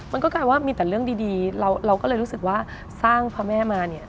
มันก็กลายว่ามีแต่เรื่องดีเราก็เลยรู้สึกว่าสร้างพระแม่มาเนี่ย